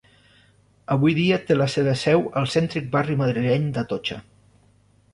Avui dia té la seva seu al cèntric barri madrileny d'Atocha.